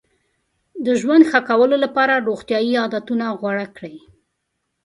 د ژوند ښه کولو لپاره روغتیایي عادتونه غوره کړئ.